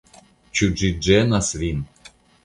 Ĉu ĝi ĝenas vin?